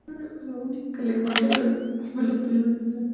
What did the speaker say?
Su templo parroquial está dedicado a San Sebastián.